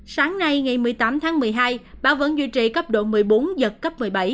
sáng nay ngày một mươi tám tháng một mươi hai bão vẫn duy trì cấp độ một mươi bốn giật cấp một mươi bảy